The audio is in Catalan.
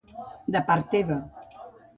—De part teva.